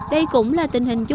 đây cũng là tình hình chung